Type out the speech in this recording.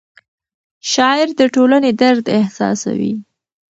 شاعر د ټولنې درد احساسوي.